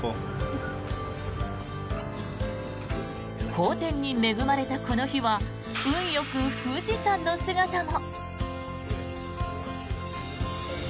好天に恵まれたこの日は運よく富士山の姿も。